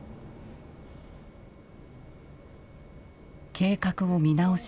計画を見直し